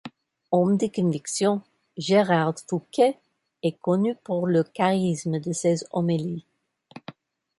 Homme de conviction, Gérard Fouquet est connu pour le charisme de ses homélies.